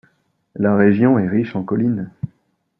La région est riche en collines.